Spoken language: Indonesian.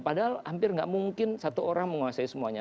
padahal hampir tidak mungkin satu orang menguasai semuanya